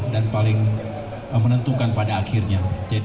dan paling menentukan pada akhirnya